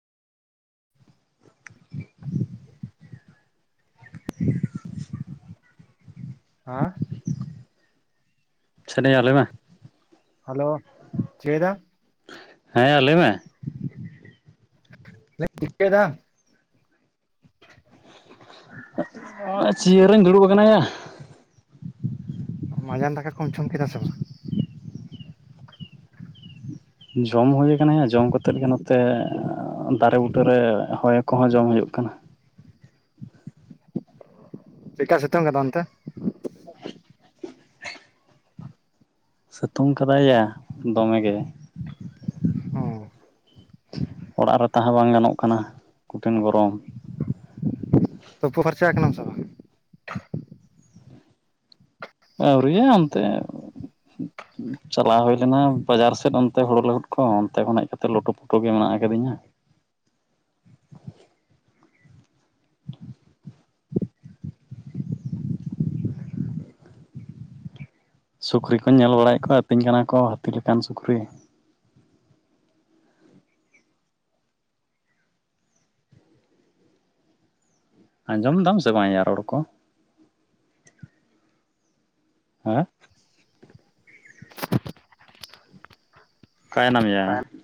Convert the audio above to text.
ᱦᱮᱸ ᱥᱮᱱ ᱟᱞᱮ ᱢᱮ ᱦᱟᱞᱳ ᱪᱟᱹᱭᱮᱫᱟᱢ ᱦᱮᱸ ᱭᱟ ᱞᱟᱹᱭ ᱢᱮ ᱴᱤᱠ ᱫᱟᱢ ᱪᱤᱭᱟᱹᱨᱤᱧ ᱫᱩᱲᱩᱵ ᱟᱠᱟᱱᱟ ᱭᱟ ᱢᱟᱸᱡᱟᱱ ᱫᱟᱠᱟ ᱠᱚᱢ ᱡᱚᱢ ᱠᱮᱫᱟ ᱥᱮ ᱵᱟᱝ ᱡᱚᱢ ᱦᱩᱭ ᱢᱟᱱᱮ ᱡᱚᱢ ᱠᱟᱛᱮᱫ ᱜᱮ ᱱᱚᱛᱮ ᱫᱟᱨᱮ ᱵᱩᱴᱟᱹᱨᱮ ᱦᱚᱭ ᱠᱚᱦᱚᱸ ᱡᱚᱢ ᱦᱩᱭᱩᱜ ᱠᱟᱱᱟ ᱪᱮᱜᱠᱟ ᱥᱤᱛᱩᱝ ᱠᱟᱫᱟ ᱚᱱᱛᱮ ᱥᱤᱛᱩᱝ ᱠᱟᱫᱟᱭᱭᱟ ᱫᱚᱢᱮ ᱚ ᱛᱟᱦᱟᱸ ᱵᱟᱝ ᱜᱟᱱᱚᱜ ᱠᱟᱱᱟ ᱠᱩᱴᱷᱤᱱ ᱜᱚᱨᱚᱢ ᱛᱩᱯᱩ ᱯᱷᱟᱨᱪᱟ ᱠᱟᱱᱟᱢ ᱥᱮ ᱵᱟᱝ ᱟᱹᱣᱨᱤᱭᱟ ᱚᱱᱛᱮ ᱪᱟᱞᱟᱣ ᱦᱩᱭ ᱞᱮᱱᱟ ᱵᱟᱡᱟᱨ ᱥᱮᱫ ᱚᱱᱛᱮ ᱦᱳᱲᱳ ᱞᱟᱹᱦᱩᱫ ᱠᱚ ᱚᱱᱛᱮ ᱠᱷᱚᱱ ᱦᱮᱡ ᱠᱟᱛᱮ ᱞᱳᱴᱳᱼᱯᱳᱴᱳ ᱜᱮ ᱢᱮᱱᱟᱜ ᱟᱠᱟᱫᱤᱧ ᱟ ᱥᱩᱠᱨᱤ ᱠᱚᱧ ᱧᱮᱞ ᱵᱟᱲᱟᱭᱮᱫ ᱠᱚᱣᱟ ᱟᱹᱛᱤᱧ ᱠᱟᱱᱟ ᱠᱚ ᱦᱟᱹᱛᱤ ᱞᱮᱠᱟᱱ ᱥᱩᱠᱨᱤ ᱟᱸᱡᱚᱢ ᱫᱟᱢ ᱥᱮ ᱵᱟᱝᱭᱟ ᱨᱚᱲ ᱠᱚ ᱦᱮᱸ ᱠᱟᱭ ᱱᱟᱢ ᱭᱟ